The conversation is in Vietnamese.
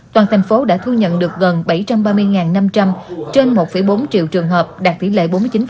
toàn thành phố đã thu nhận được gần bảy trăm ba mươi năm trăm linh trên một bốn triệu trường hợp đạt tỷ lệ bốn mươi chín